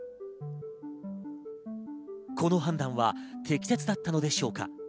この判断は適切だったのでしょうか。